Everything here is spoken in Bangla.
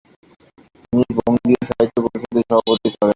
তিনি বঙ্গীয় সাহিত্য পরিষদের সভাপতিত্ব করেন।